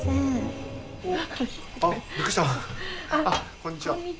こんにちは。